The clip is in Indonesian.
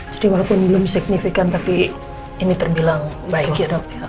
jadi walaupun belum signifikan tapi ini terbilang baik ya dokter